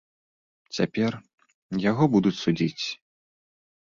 Цяпер яго будуць судзіць.